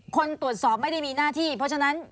คนตรวจสอบไม่ได้มีหน้าที่เพราะฉะนั้น